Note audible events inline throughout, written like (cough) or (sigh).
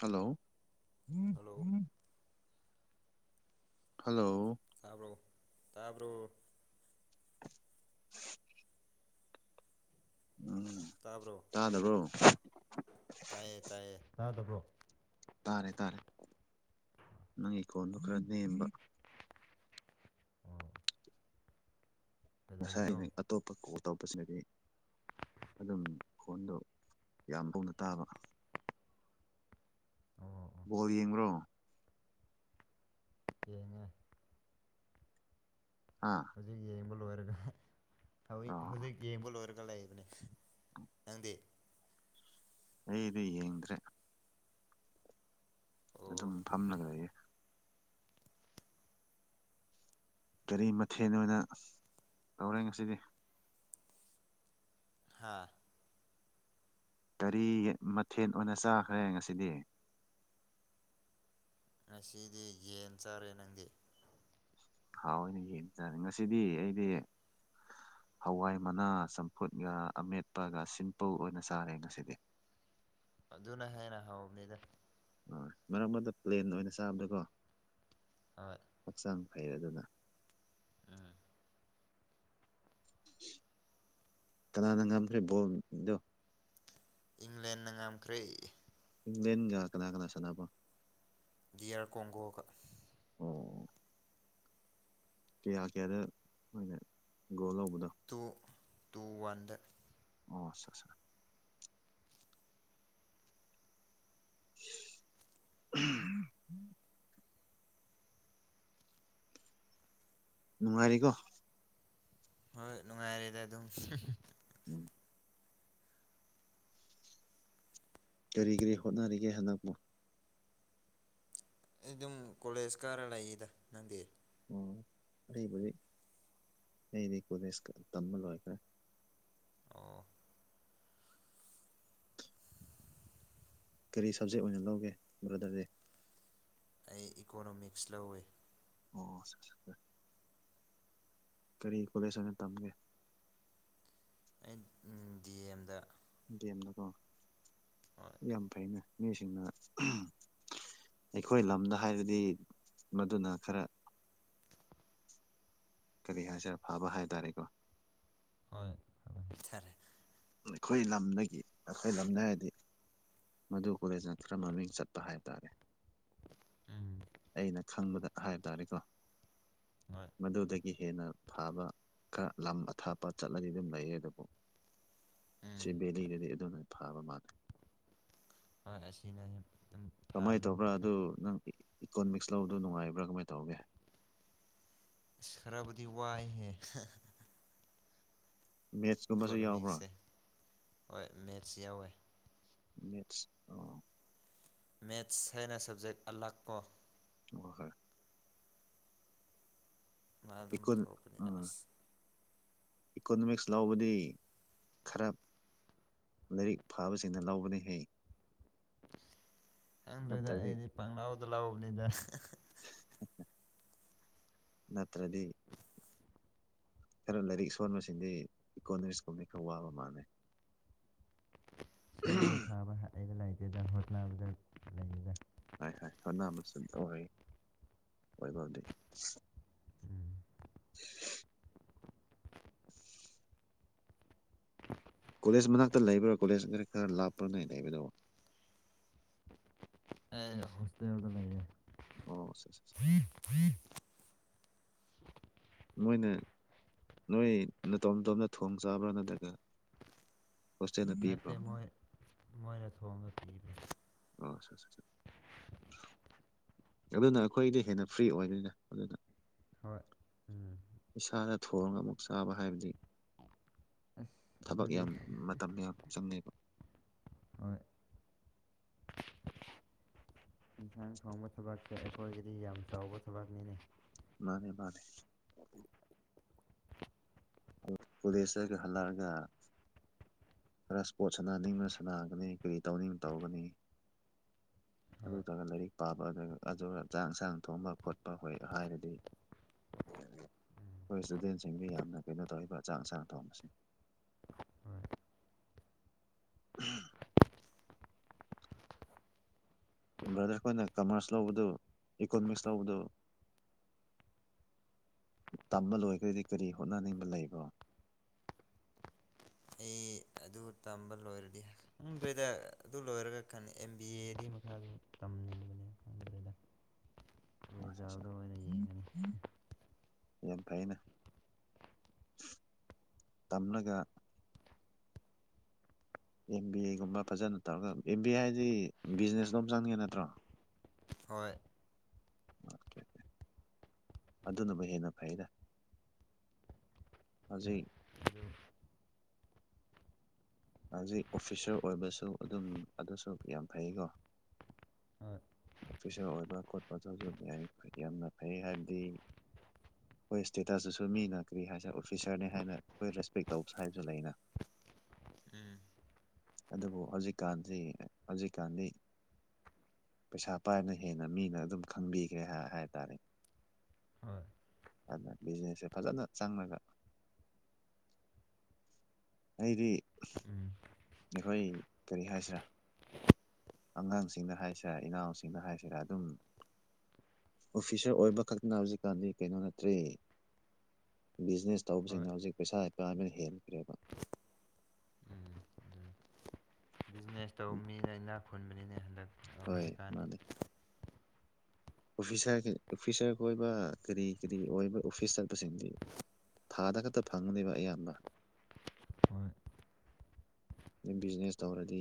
hello hello hello ꯇꯥꯕ꯭ꯔꯣ ꯇꯥꯕ꯭ꯔꯣ (inaudible) ꯎꯝ ꯇꯥꯕ꯭ꯔꯣ ꯇꯥꯗꯕ꯭ꯔꯣ ꯇꯥꯏꯌꯦ ꯇꯥꯏꯌꯦ ꯇꯥ ꯇ꯭ꯔꯣ ꯇꯥꯔꯦ ꯇꯥꯔꯦ ꯅꯪ ꯏꯀꯣꯟꯗꯨꯣ ꯈꯔ ꯅꯦꯝꯕ ꯑꯣ ꯉꯁꯥꯏ ꯀꯩꯗꯧꯔꯤꯅꯣ ꯑꯩꯅ ꯑꯇꯣꯞꯄ ꯀꯣꯜ ꯇꯧꯕꯁꯤꯅꯗꯤ ꯑꯗꯨꯝ ꯐꯣꯟꯗꯣ ꯌꯥꯝ ꯄꯨꯅ ꯇꯥꯕ ꯑꯣ ꯑꯣ ꯕꯣꯜ ꯌꯦꯡꯕ꯭ꯔꯣ ꯌꯦꯡꯉꯦ ꯑꯥ (unintelligible) ꯂꯩꯕꯅꯦꯪꯗꯤ ꯑꯩꯗꯤ ꯌꯦꯡꯗ꯭ꯔꯦ ꯑꯣ ꯑꯗꯨꯝ ꯐꯝꯂꯒ ꯂꯩꯌꯦ ꯀꯔꯤ ꯃꯊꯦꯜ ꯑꯣꯏꯅ ꯇꯧꯔꯦ ꯉꯁꯤꯗꯤ ꯍꯥꯥ ꯀꯔꯤ ꯃꯊꯦꯜ ꯑꯣꯏꯅ ꯆꯥꯈ꯭ꯔꯦ ꯉꯁꯤꯗꯤ ꯉꯁꯤꯗꯤ ꯌꯦꯟ ꯆꯥꯔꯦ ꯅꯪꯗꯤ ꯍꯥꯎ ꯑꯣꯏꯅ ꯌꯦꯡ ꯆꯥꯅꯤ ꯉꯁꯤꯗꯤ ꯑꯩꯗꯤ ꯍꯋꯥꯏ ꯃꯅꯥ ꯆꯝꯐꯨꯠꯒ ꯑꯃꯦꯠꯄꯒ ꯁꯤꯝꯄꯜ ꯑꯣꯏꯅ ꯆꯥꯔꯦ ꯉꯁꯤꯗꯤ ꯑꯗꯨꯅ ꯍꯦꯟꯅ ꯍꯥꯎꯕꯅꯤꯗ ꯑ ꯃꯔꯛ ꯑꯗꯨꯗ ꯄ꯭ꯂꯦꯟ ꯑꯣꯏꯅ ꯆꯥꯕꯗꯀꯣ ꯍꯣꯏ ꯍꯛꯆꯥꯡ ꯐꯩꯔꯗꯨꯅ ꯎꯝ ꯀꯅꯥꯅꯪꯒꯥꯈꯦ ꯕꯣꯗꯣ ꯏꯪꯂꯦꯟꯅ ꯉꯝꯈ꯭ꯔꯦ ꯃꯦꯟꯒ ꯀꯅꯥ ꯀꯅꯥ ꯁꯅꯥꯄꯣ ꯗꯤꯌꯥꯔ ꯀꯣꯡꯒꯣꯒ ꯑꯣ ꯀꯌꯥ ꯀꯌꯥꯗꯣꯏꯅ ꯒ꯭ꯔꯣ ꯂꯧꯕ ꯇꯨ ꯇꯨ ꯋꯥꯟꯗ ꯑꯣ ꯑ ꯑ ꯑ꯭ꯍ ꯅꯨꯡꯉꯥꯏꯔꯤꯀꯣ ꯍꯣꯏ ꯅꯨꯡꯉꯥꯏꯔꯦꯗ ꯑꯗꯨꯝ ꯎꯝ ꯀꯔꯤ ꯀꯔꯤ ꯍꯣꯠꯅꯔꯤꯒꯦ ꯍꯟꯗꯛꯃꯨ ꯑꯩ ꯑꯗꯨꯝ ꯀꯣꯂꯦꯖ ꯈꯔ ꯂꯩꯔꯤꯗ ꯅꯪꯗꯤ ꯑꯣ ꯑꯩꯕꯨꯗꯤ ꯑꯩꯗꯤ ꯀꯦ ꯇꯝꯕ ꯂꯣꯏꯗ꯭ꯔꯦ ꯑꯣ ꯀꯔꯤ ꯁꯕꯖꯦꯛ ꯑꯣꯏꯅ ꯂꯧꯒꯦ ꯕ꯭ꯔꯗꯔꯗꯤ ꯑꯩ ꯏꯀꯣꯅꯣꯃꯤꯛꯁ ꯂꯧꯋ ꯑꯣ ꯀꯔꯤ ꯀꯣꯂꯦꯁ ꯑꯣꯏꯅ ꯇꯝꯒꯦ ꯑꯩ ꯗꯤ ꯑ ꯑꯦꯝꯗ ꯦꯝꯅꯀꯣ ꯍꯣꯏ ꯌꯥꯝ ꯐꯩꯅꯦ ꯃꯤꯁꯤꯡꯅ ꯑꯩꯈꯣꯏ ꯂꯝꯗ ꯍꯥꯏꯔꯗꯤ ꯃꯗꯨꯅ ꯈꯔ ꯀꯔꯤ ꯍꯥꯏꯁꯔ ꯐꯥꯕ ꯍꯥꯏꯇꯥꯔꯦꯀꯣ ꯍꯣꯏꯦ ꯑꯩꯈꯣꯏ ꯂꯝꯗꯒꯤ ꯑꯩꯈꯣꯏ ꯂꯝꯗ ꯍꯥꯏꯔꯗꯤ ꯃꯗꯨ ꯀꯣꯂꯦꯖꯅ ꯈꯔ ꯃꯃꯤꯡ ꯆꯠꯄ ꯍꯥꯏꯕ ꯇꯥꯔꯦ ꯎꯝ ꯑꯩꯅ ꯈꯪꯕꯗ ꯍꯥꯏꯕ ꯇꯥꯔꯦꯀꯣ ꯍꯣꯏ ꯃꯗꯨꯗꯒꯤ ꯍꯦꯟꯅ ꯐꯕ ꯈꯔ ꯂꯝ ꯑꯊꯥꯞꯄ ꯆꯠꯂꯗꯤ ꯑꯗꯨꯝ ꯂꯩꯌꯦ ꯑꯗꯨꯕꯨ ꯎꯝ ꯁꯤ ꯚꯦꯂꯤꯗꯗꯤ ꯑꯗꯨꯅ ꯊꯥꯕ ꯃꯥꯜꯂꯦ ꯑ ꯑꯦꯁꯤꯅꯦ ꯀꯃꯥꯏꯅ ꯇꯧꯕ꯭ꯔꯥ ꯑꯗꯨ ꯅꯪ ꯏꯀꯣꯅꯣꯃꯤꯛꯁ ꯂꯗꯣ ꯅꯨꯡꯉꯥꯏꯕ꯭ꯔꯥ ꯀꯃꯥꯏꯅ ꯇꯧꯒꯦ ꯁꯔꯕꯗꯤ ꯋꯥꯏ ꯍꯦ ꯃꯦꯠꯁꯀꯨꯝꯕꯁꯨ ꯌꯥꯎꯕ꯭ꯔꯥ ꯀꯔꯃꯤꯁꯦ ꯃꯔꯁꯤꯌꯥ ꯑꯣꯏꯣꯏ ꯅꯦꯠꯁ ꯑ ꯃꯦꯠꯁ ꯍꯥꯏꯅ ꯁꯕꯖꯦꯛ ꯑꯂꯥꯛ ꯀꯣ ꯑꯣ ꯍꯣꯏ ꯃꯥ ꯑꯗꯨꯝ ꯏꯀꯣꯟ ꯑꯥ ꯊꯄꯗꯅꯁ ꯏꯀꯣꯅꯣꯃꯤꯛꯁ ꯂꯧꯕꯗꯤ ꯈꯔ ꯂꯥꯏꯔꯤꯛ ꯐꯥꯕꯁꯤꯡꯅ ꯂꯧꯕꯅ ꯍꯩ ꯈꯪꯗ꯭ꯔꯣꯏꯗ ꯑꯩꯗꯤ ꯄꯪꯅꯥꯥꯎꯗ ꯂꯥꯎꯕꯅꯤꯗ ꯑ ꯈꯔ ꯂꯥꯏꯔꯤꯛ ꯁꯣꯟꯕꯁꯤꯡꯗꯤ ꯏꯀꯣꯅꯣꯃꯤꯛꯁꯀꯨꯝꯕꯗꯤ ꯈꯔ ꯋꯥꯕ ꯃꯥꯟꯅꯩ ꯁꯣꯟꯕ ꯐꯥꯕ ꯑꯩꯕ ꯂꯥꯏꯇꯦꯗ ꯍꯣꯠꯂꯕꯗ ꯂꯩꯅꯤꯗ ꯍꯥꯏ ꯍꯥꯏ ꯍꯣꯠꯁꯨ ꯑꯣꯏ ꯑꯣꯏꯕꯕꯨꯗꯤ ꯎꯝ (unintelligible) (inaudible) ꯀꯣꯂꯦꯖ ꯃꯅꯥꯛꯇ ꯂꯩꯕ꯭ꯔꯥ ꯀꯣꯂꯦꯖ ꯈꯔ ꯈꯔ ꯂꯥꯞꯄ꯭ꯔꯥ ꯅ ꯂꯩꯕꯗꯕꯨ ꯑꯦ ꯍꯣꯁꯇ ꯍꯗ ꯂꯩꯦ ꯑꯣ ꯃꯣꯏꯅ ꯅꯣꯏ ꯇꯣꯝꯇꯣꯝꯅ ꯊꯣꯡ ꯆꯥꯕ꯭ꯔꯥ ꯅꯠꯇ꯭ꯔꯒ ꯍꯣꯁꯇꯦꯜꯅ ꯄꯤꯕ꯭ꯔꯣ ꯅꯠꯇꯦ ꯃꯣꯏ ꯃꯣꯏꯅ ꯊꯣꯡꯕ ꯄꯤꯗꯦ ꯑ ꯑꯗꯨꯅ ꯑꯩꯈꯣꯏꯗꯤ ꯍꯦꯟꯅ ꯐ꯭ꯔꯤ ꯑꯣꯏꯗꯣꯏꯅꯦ ꯑꯗꯨꯅ ꯍꯣꯏ ꯎꯝ ꯏꯁꯥꯗ ꯊꯣꯡꯒ ꯑꯃꯨꯛ ꯆꯥꯕ ꯍꯥꯏꯕꯗꯤ ꯑꯁ ꯊꯕꯛ ꯑꯗꯨꯗꯤ ꯌꯥꯝ ꯃꯇꯝ ꯌꯥꯝ ꯆꯪꯉꯦꯕ ꯍꯣꯏ ꯍꯛꯉꯥꯡ ꯊꯣꯡꯕ ꯊꯕꯛꯁ ꯑꯩꯈꯣꯏꯒꯤꯗꯤ ꯌꯥꯝ ꯆꯥꯎꯕ ꯊꯕꯛꯅꯤꯅꯦ ꯃꯥꯅꯦ ꯃꯥꯅꯦ ꯄꯨꯂꯤꯁꯒꯤ ꯍꯜꯂꯔꯒ ꯈꯔ ꯏꯁꯄꯣꯔꯠ ꯁꯥꯟꯅꯅꯤꯡꯕ ꯁꯥꯟꯅꯒꯅꯤ ꯀꯔꯤ ꯇꯧꯅꯤꯡ ꯇꯧꯒꯅꯤ (unintelligible) (inaudible) ꯑꯗꯨꯗꯨꯒ ꯂꯥꯏꯔꯤꯛ ꯄꯥꯕ ꯑꯗꯨꯒ ꯆꯥꯛ ꯌꯦꯟꯁꯥꯡ ꯊꯣꯡꯕ ꯈꯣꯠꯄ ꯍꯣꯏ ꯍꯥꯏꯔꯗꯤ ꯎꯝ ꯑꯩꯈꯣꯏ ꯏꯁꯇꯨꯗꯦꯟꯁꯤꯡꯗ ꯌꯥꯝꯅ ꯀꯩꯅꯣ ꯇꯧꯏꯔꯤꯕ ꯑꯆꯥꯡ ꯑꯁꯥꯅ ꯊꯣꯡꯕꯁꯤꯡ ꯎ (inaudible) ꯕ꯭ꯔꯗꯔ ꯑꯩꯈꯣꯏꯅ ꯀꯃꯔꯁ ꯂꯧꯕꯗꯨ ꯏꯀꯣꯅꯣꯃꯤꯛꯁ ꯂꯧꯕꯗꯨ ꯇꯝꯕ ꯂꯣꯏꯈ꯭ꯔꯗꯤ ꯀꯔꯤ ꯍꯣꯠꯅꯅꯤꯡꯕ ꯂꯩꯕꯣ ꯑꯩ ꯑꯗꯨ ꯇꯝꯕ ꯂꯣꯏꯔꯗꯤ ꯈꯪꯗ꯭ꯔꯦꯗ ꯑꯗꯨ ꯂꯔ ꯀꯅꯤ ꯑꯦꯗꯤ ꯃꯈꯥꯗ ꯇꯝꯅꯤꯡꯕꯅꯦ ꯈꯪꯗ꯭ꯔꯦꯗ ꯑ ꯑ ꯔꯤꯖꯥꯜꯗ ꯑꯣꯏꯅ ꯌꯦꯡꯉꯅꯤ ꯍꯅ ꯐꯩꯅ ꯇꯝꯂꯒ ꯑꯦꯝ ꯕꯤ ꯑꯦꯒꯨꯝꯕ ꯐꯖꯅ ꯇꯧꯔꯒ ꯑꯦꯝ ꯕꯤ ꯑꯦ ꯍꯥꯏꯗꯤ ꯕꯤꯖꯤꯅꯦꯁꯇꯣꯝ ꯆꯪꯉꯦ ꯅꯠꯇ꯭ꯔꯣ ꯍꯣꯏ ꯑꯣꯀꯦꯀꯦ ꯑꯗꯨꯅꯕꯨ ꯍꯦꯟꯅ ꯐꯩꯔ ꯍꯣꯏ ꯍꯧꯖꯤꯩ ꯑꯗꯨ ꯍꯧꯖꯤꯛ ꯑꯣꯐꯤꯁꯔ ꯑꯣꯏꯕꯁꯨ ꯑꯗꯨꯝ ꯑꯗꯨꯁꯨ ꯌꯥꯝ ꯐꯩꯀꯣ ꯍꯣꯏ ꯑꯣꯐꯤꯁꯔ ꯑꯣꯏꯕ ꯈꯣꯠꯄ ꯑꯗꯨꯁꯨ ꯌꯥꯝꯅ ꯐꯩ ꯍꯥꯏꯕꯗꯤ ꯑꯩꯈꯣꯏ ꯏꯁꯇꯦꯇꯁꯇꯨꯁꯨ ꯃꯤꯅ ꯀꯔꯤ ꯍꯥꯏꯁꯦ ꯑꯣꯐꯤꯁꯥꯔꯅꯤ ꯍꯥꯏꯅ ꯑꯩꯈꯣꯏ ꯔꯦꯁꯄꯦꯛ ꯇꯧꯕ ꯍꯥꯏꯕꯁꯨ ꯂꯩꯅ ꯎꯝ ꯑꯗꯨꯕꯨ ꯍꯧꯖꯤꯛꯀꯥꯟꯗꯤ ꯍꯧꯖꯤꯛꯀꯥꯟꯗꯤ ꯄꯩꯁꯥ ꯄꯥꯏꯅ ꯍꯦꯟꯅ ꯃꯤꯅ ꯑꯗꯨꯝ ꯈꯪꯕꯤꯈ꯭ꯔꯦ ꯍꯥꯏ ꯇꯥꯔꯦ ꯍꯣꯏ ꯖꯤꯅꯦꯁꯦ ꯐꯖꯅ ꯆꯥꯡꯂꯒ ꯑꯩꯗꯤ ꯎꯝ ꯑꯩꯈꯣꯏ ꯀꯔꯤ ꯍꯥꯏꯁꯤ꯭ꯔꯥ ꯑꯉꯥꯡꯁꯤꯡꯅ ꯍꯥꯏꯁꯤꯔꯥ ꯏꯅꯥꯎꯁꯤꯡꯅ ꯍꯥꯏꯁꯤꯔꯥ ꯑꯗꯨꯝ ꯑꯣꯐꯤꯁꯔ ꯑꯣꯏꯕ ꯈꯛꯇꯅ ꯍꯧꯖꯤꯛꯀꯥꯟꯗꯤ ꯀꯩꯅꯣ ꯅꯠꯇ꯭ꯔꯤ ꯕꯤꯖꯤꯅꯦꯁ ꯍꯣꯏ ꯇꯧꯕꯁꯤꯡꯅ ꯍꯧꯖꯤꯛ ꯄꯩꯁꯥ ꯏꯄꯕ ꯍꯦꯟꯈ꯭ꯔꯦꯕ ꯎꯝ ꯎꯝ ꯕꯤꯖꯤꯅꯦꯁ ꯇꯧꯕ ꯃꯤꯅ ꯏꯅꯥꯛ ꯈꯨꯟꯕꯅꯤꯅ ꯍꯜꯂꯛ ꯍꯣꯏ ꯃꯥꯅꯦ ꯑꯣꯐꯤꯁꯥꯔ ꯑꯣꯐꯤꯁꯥꯔ ꯀꯣꯏꯕ ꯀꯔꯤ ꯀꯔꯤ ꯑꯣꯏꯕ ꯑꯣꯐꯤꯁ ꯆꯠꯄꯁꯤꯡꯗꯤ ꯊꯥꯗ ꯈꯛꯇ ꯐꯪꯅꯦꯕ ꯑꯌꯥꯝꯕ ꯍꯣꯏ ꯕꯤꯖꯤꯅꯦꯁ ꯇꯧꯔꯗꯤ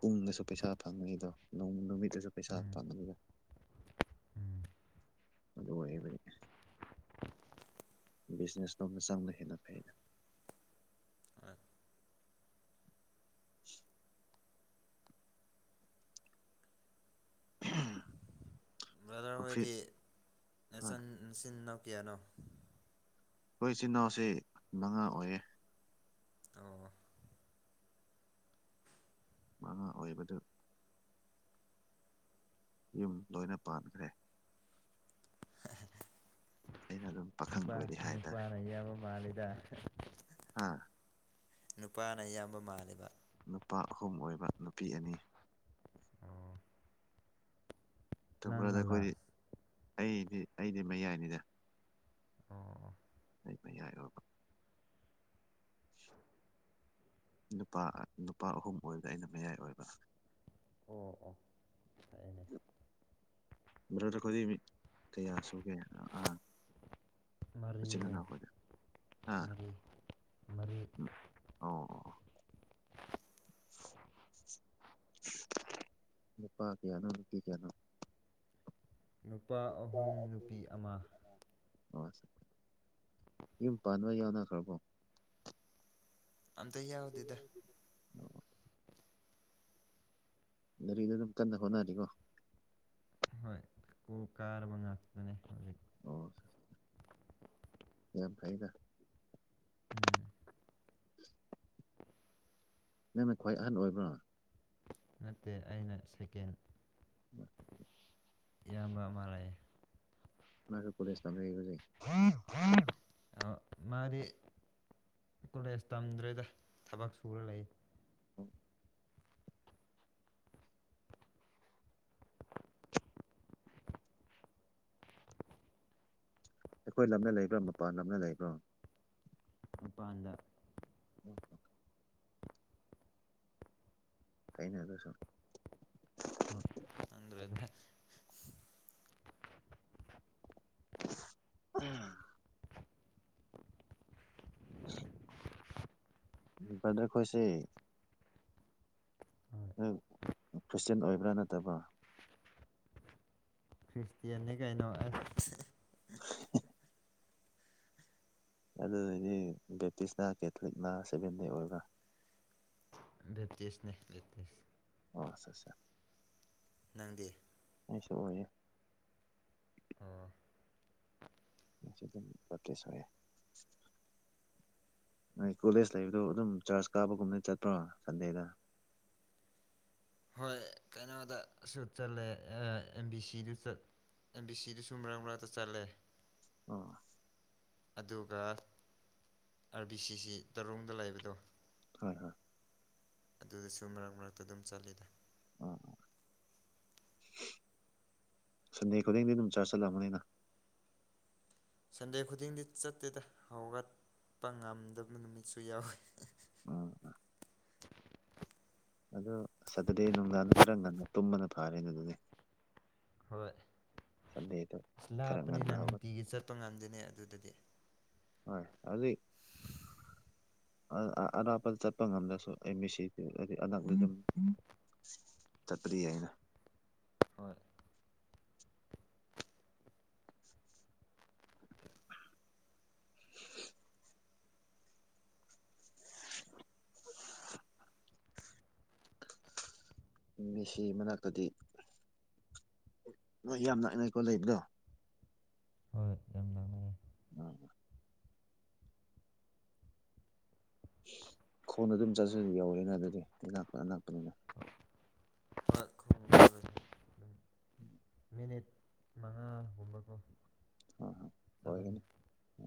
ꯄꯨꯡꯗꯁꯨ ꯄꯩꯁꯥ ꯐꯪꯉꯅꯤꯗꯣꯣꯡ ꯅꯨꯃꯤꯠꯇꯁꯨ ꯄꯩꯁꯥ ꯎꯝ ꯐꯪꯉꯅꯤꯗꯣ ꯎꯝ ꯑꯗꯨꯗꯨ ꯍꯣꯔꯕ ꯕꯤꯖꯤꯅꯦꯁ ꯅꯣꯝꯅ ꯆꯥꯡꯅ ꯍꯦꯟꯅ ꯐꯥꯏꯅ (unintelligible) ꯑ ꯑꯣꯗꯔ ꯍꯣꯏ ꯍꯣꯏꯗꯤꯆ ꯁꯤ ꯅꯧ ꯀꯌꯥꯅꯣ ꯑꯩꯈꯣꯏ ꯏꯆꯤꯜ ꯏꯅꯥꯎꯁꯤ ꯃꯉꯥ ꯑꯣꯏꯌꯦ ꯑꯣ ꯃꯥ ꯑꯣꯏꯏꯕꯗꯨ ꯌꯨꯝ ꯂꯣꯏꯅ ꯄꯥꯟꯈ꯭ꯔꯦ ꯑꯩꯅ ꯑꯗꯨꯝ ꯄꯥꯈꯪ ꯅꯨꯄꯥ ꯑꯣꯏꯔꯤ ꯍꯥꯏꯇꯥꯔꯦ ꯅꯨꯄꯥꯅ ꯑꯌꯥꯝꯕ ꯃꯥꯜꯂꯤꯗ ꯍꯥꯥ ꯅꯨꯄꯥꯅ ꯑꯌꯥꯝꯕ ꯃꯥꯜꯂꯤꯕ ꯅꯨꯄꯥ ꯑꯍꯨꯝ ꯑꯣꯏꯕ ꯅꯨꯄꯤ ꯑꯅꯤ ꯑꯣ ꯇꯨꯝꯝꯕ꯭ꯔꯥꯗ ꯅꯪꯅ ꯑꯩꯈꯣꯏꯗꯤ ꯂꯥꯁ ꯑꯩꯗꯤ ꯑꯩꯗꯤ ꯃꯌꯥꯏꯅꯤꯗ ꯑꯣ ꯑꯩ ꯃꯌꯥꯏ ꯑꯣꯏꯕ ꯅꯨꯄꯥ ꯅꯨꯄꯥ ꯑꯍꯨꯝ ꯑꯣꯏꯔꯒ ꯑꯩꯅ ꯃꯌꯥꯏ ꯑꯣꯏꯕ ꯑꯣ ꯑꯣ ꯐꯅꯦ ꯕ꯭ꯔꯗ ꯈꯨꯣꯏꯗꯤ ꯀꯌꯥ ꯁꯣꯛꯒꯦ ꯑꯥ ꯃꯔꯤꯅꯦ ꯄꯆꯤꯅꯅꯥꯈꯣꯗꯦ ꯑꯝ ꯃꯔꯤ ꯃꯔꯤ ꯎ ꯑꯣ (unintelligible) ꯃꯄꯥꯥ ꯀꯌꯥꯅ ꯅꯨꯄꯤ ꯀꯌꯥꯅ ꯅꯨꯄꯥ ꯑꯍꯨꯝ ꯅꯨꯄꯤ ꯑꯃ ꯍ ꯌꯨꯝ ꯄꯥꯟꯕ ꯌꯥꯎꯅꯈ꯭ꯔꯕꯣ ꯑꯝꯇ ꯌꯥꯎꯗꯦꯗ (unintelligible) ꯔꯤꯗ ꯑꯗꯨꯝ ꯀꯟꯅ ꯍꯣꯠꯅꯅꯤꯀꯣ ꯍꯣꯏ ꯀꯨ ꯀꯥꯔꯕ ꯉꯥꯛꯇꯅꯦ ꯑꯣ ꯌꯥꯝ ꯐꯩꯗ ꯎꯝ ꯅꯪꯅ ꯈ꯭ꯋꯥꯏ ꯑꯍꯟ ꯑꯣꯏꯕ꯭ꯔꯥ ꯅꯠꯇꯦ ꯑꯩꯅ ꯁꯦꯀꯦꯟ (unintelligible) ꯌꯥꯝꯕ ꯃꯥ ꯂꯩꯑꯦ ꯃꯥꯁꯨ ꯀꯂꯦꯖ ꯇꯝꯖꯕꯖꯩ ꯑꯣ ꯃꯥꯗꯤ ꯀꯣꯂꯦꯖ ꯇꯝꯗ꯭ꯔꯦꯗ ꯊꯕꯛ ꯁꯨꯔ ꯂꯩ (unintelligible) ꯑꯩꯈꯣꯏ ꯂꯝꯅ ꯂꯩꯕ꯭ꯔꯥ ꯃꯄꯥꯟ ꯂꯝꯅ ꯂꯩꯕ꯭ꯔꯥ ꯃꯄꯥꯟꯗ ꯎ ꯐꯩꯅꯗ ꯁ ꯆ꯭ꯔꯗ ꯎꯝ (unintelligible) ꯗꯔ ꯈꯣꯏꯁꯦ ꯍꯣꯏ ꯍ ꯈ꯭ꯔꯤꯁꯇꯦꯟ ꯑꯣꯏꯕ꯭ꯔꯥ ꯅꯠꯇꯕ ꯐ꯭ꯔꯤꯁꯇꯤꯌꯥꯅꯤ ꯑꯗꯨꯗꯗꯤ ꯕꯦꯞꯇꯤꯁꯅ ꯀꯦꯊꯂꯤꯛꯅ ꯁꯚꯦꯟꯗꯩ ꯑꯣꯏꯒ ꯦꯇꯁꯅꯦ ꯦꯇꯁ ꯑ ꯑ ꯅꯪꯗꯤ ꯁꯣꯏ ꯑꯣ ꯑꯗꯨꯝ ꯄꯠꯇꯁꯒꯦ ꯅꯣꯏ ꯀꯣꯂꯦꯖ ꯂꯩꯕꯗꯣ ꯑꯗꯨꯝ ꯆꯔꯆ ꯀꯥꯕꯒꯨꯝꯅ ꯆꯠꯄ꯭ꯔꯣ ꯁꯟꯗꯦꯗ (unintelligible) ꯍꯣꯏ ꯀꯩꯅꯣꯗꯁꯨ ꯆꯠꯂꯦ ꯑꯦꯝ ꯕꯤ ꯁꯤꯗꯨ ꯆꯂ ꯑꯦꯝ ꯕꯤ ꯁꯤꯗꯁꯨꯨꯝ ꯃꯔꯛ ꯃꯔꯛꯇ ꯆꯠꯂꯦ ꯑ ꯑꯗꯨꯒ ꯑꯥꯔꯕꯤ ꯁꯤꯁꯤ ꯇꯔꯣꯡꯗ ꯂꯩꯕꯗꯣ ꯍꯣꯏ ꯍꯣꯏ ꯑꯗꯨꯗꯁꯨ ꯃꯔꯛ ꯃꯔꯛꯇ ꯑꯗꯨꯝ ꯆꯠꯂꯤꯗ ꯑꯣ ꯁꯟꯗꯦ ꯈꯨꯗꯤꯡꯗꯤ ꯑꯗꯨꯝ ꯆꯥꯁꯤꯜꯂꯛꯑꯕꯅꯤꯅ ꯁꯟꯗꯦ ꯈꯨꯗꯤꯡꯗꯤ ꯆꯠꯇꯦꯗ ꯍꯧꯒꯠꯄ ꯉꯝꯗꯕ ꯅꯨꯃꯤꯠꯁꯨ ꯌꯥꯎꯋꯤ ꯎꯝ ꯑꯗ ꯁꯇꯔꯗꯦ ꯅꯨꯡꯗꯥꯡꯗ ꯈꯔ ꯉꯟꯅ ꯇꯨꯝꯕꯅ ꯐꯥꯔꯦꯅꯦ ꯑꯗꯨꯅꯦ ꯍꯣꯏ ꯑꯁ ꯈꯔ ꯂꯥꯞꯄꯅꯤꯅ ꯉꯟꯅ ꯍꯧꯒꯠ ꯅꯨꯡꯇꯤꯒꯤ ꯆꯠꯄ ꯉꯝꯗꯅꯦ ꯑꯗꯨꯗꯗꯤ ꯍ ꯑꯗꯨꯗꯤ ꯑꯔꯥꯞꯄꯗ ꯆꯠꯄ ꯉꯝꯂꯁꯨ ꯑꯩ ꯃꯤꯦꯁꯤ ꯑꯛ ꯑꯗꯨꯝ ꯇ ꯐ꯭ꯔꯤ ꯍꯥꯏꯩꯅ ꯍ ꯃꯤꯁꯤ ꯃꯅꯥꯛꯇꯗꯤ ꯣꯏ ꯌꯥꯝ ꯅꯛꯅꯦꯀꯣ ꯂꯩꯕꯗꯣ ꯍꯣꯏ ꯌꯥꯝ ꯂꯥꯞꯅꯩ ꯎꯝ ꯈꯣꯡꯅ ꯑꯗꯨꯝ ꯆꯠꯁꯨꯗꯤ ꯌꯧꯔꯦꯅ ꯑꯗꯨꯗꯤ ꯑ ꯂꯥꯛꯄꯅ ꯂꯥꯛꯄꯅꯤꯅ ꯍꯣꯏ ꯈꯣꯡꯅ ꯆꯠꯂꯗꯤ ꯑꯗꯨꯝ ꯃꯤꯅꯤꯠ ꯃꯉꯥꯒꯨꯝꯕꯀꯣ ꯑ ꯍ ꯆꯠꯂꯅꯤ ꯑꯣꯏꯒꯅꯤ ꯎ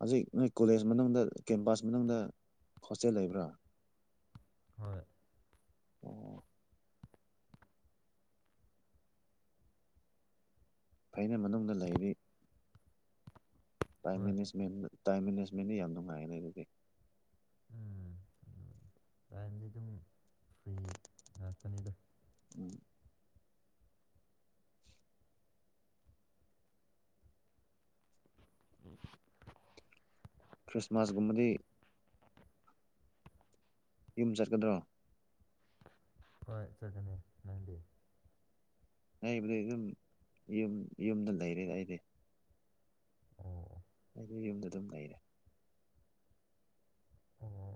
ꯍꯧꯖꯤꯛ ꯅꯣꯏ ꯀꯣꯂꯦꯖ ꯃꯅꯨꯡꯗ ꯀꯦꯝꯄꯥꯁ ꯃꯅꯨꯡꯗ ꯍꯣꯁꯇꯦꯜ ꯂꯩꯕ꯭ꯔꯥ ꯍꯣꯏ ꯎꯝ ꯐꯩꯅ ꯃꯅꯨꯡꯗ ꯂꯩꯔꯤ ꯥꯏ ꯍꯣꯏ ꯇꯥꯏꯝ ꯃꯦꯅꯦꯖꯃꯦꯟꯗꯤ ꯌꯥꯝ ꯅꯨꯡꯉꯥꯏꯅꯦ ꯑꯗꯨꯗꯤ ꯎꯝ ꯇꯥꯏꯝꯗꯤ ꯑꯗꯨꯝ ꯐ꯭ꯔꯤ ꯉꯥꯛꯇꯅꯤ ꯑꯗꯨꯝ ꯎꯝ ꯎꯝ ꯈ꯭ꯔꯤꯁꯃꯥꯁꯒꯨꯝꯕꯗꯤ ꯌꯨꯝ ꯆꯠꯀꯗ꯭ꯔꯣ ꯆꯠꯅꯦ ꯅꯗꯤ ꯍꯥꯏꯕꯗꯤ ꯑꯗꯨꯝ ꯌ ꯌꯨꯝꯗ ꯂꯩꯔꯦ ꯑꯩꯗꯤ ꯑꯣ ꯑꯩꯗꯤ ꯌꯨꯝꯗ ꯑꯗꯨꯝ ꯂꯩꯔꯦ ꯑꯣ